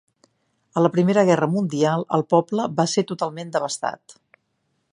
A la Primera Guerra Mundial el poble va ser totalment devastat.